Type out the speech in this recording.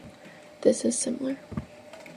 This is similar.